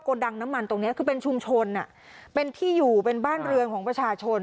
ดังน้ำมันตรงนี้คือเป็นชุมชนอ่ะเป็นที่อยู่เป็นบ้านเรือนของประชาชน